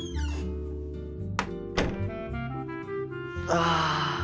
ああ。